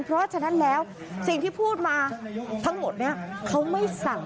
เพราะฉะนั้นแล้วสิ่งที่พูดมาทั้งหมดนี่